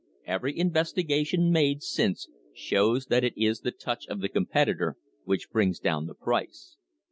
Every investigation made since shows that it is the touch of the competitor which brings down the price.